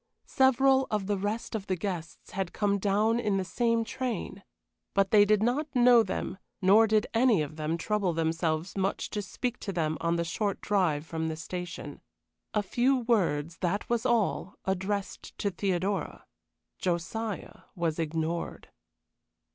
Several of the rest of the guests had come down in the same train, but they did not know them, nor did any of them trouble themselves much to speak to them on the short drive from the station. A few words, that was all, addressed to Theodora. Josiah was ignored.